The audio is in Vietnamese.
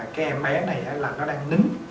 cái em bé này là nó đang nín